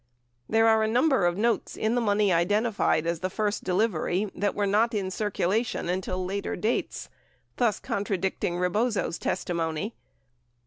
There are a number of notes in the money identified as the first delivery that were not in circulation until later dates, thus con tradicting Rebozo's testimony.